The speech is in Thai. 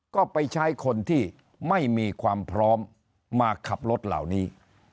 ก็ไปใช้คนที่ไม่มีความพร้อมมาขับรถเหล่านี้